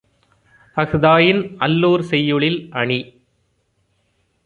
அஃதாயின், அல்லோர் செய்யுளில் அணி